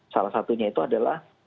salah satunya itu adalah